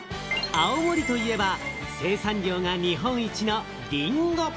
青森といえば生産量が日本一のりんご。